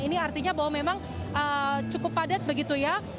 ini artinya bahwa memang cukup padat begitu ya